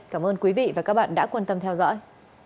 cảm ơn quý vị và các bạn đã quan tâm theo dõi